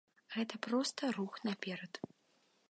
Гэта проста рух наперад.